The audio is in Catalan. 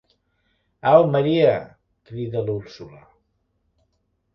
Au, Maria –crida l'Úrsula.